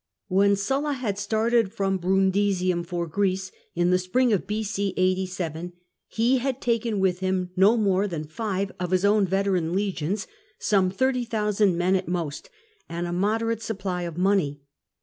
When Sulla had started from Brundisium for Greece in the spring of B.c. 87, he had taken with him no more than five of his own veteran legions — some 30,000 men at most — and a moderate supply of money.